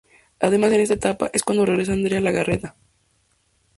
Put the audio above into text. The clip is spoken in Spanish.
Además en esta etapa es cuando regresa Andrea Legarreta.